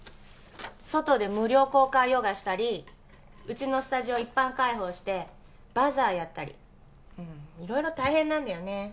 外で無料公開ヨガしたりうちのスタジオ一般開放してバザーやったり色々大変なんだよね